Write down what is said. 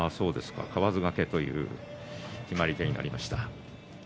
かわず掛けという決まり手になりました。